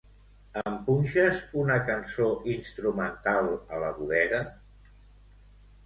Em punxes una cançó instrumental a la bodega?